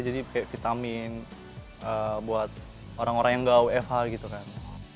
jadi kayak vitamin buat orang orang yang gak ufh gitu kan